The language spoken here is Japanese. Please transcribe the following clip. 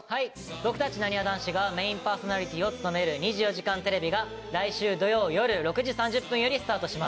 僕たちなにわ男子がメインパーソナリティーを務める『２４時間テレビ』が来週土曜夜６時３０分よりスタートします。